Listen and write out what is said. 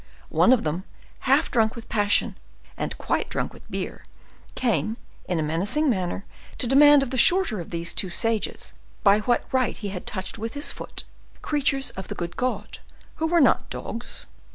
One of them, half drunk with passion, and quite drunk with beer, came, in a menacing manner, to demand of the shorter of these two sages by what right he had touched with his foot creatures of the good God, who were not dogs.